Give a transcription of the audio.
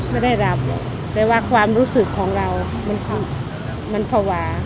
ไม่ได้หลับแต่ว่าความรู้สึกของเรามันภาวะ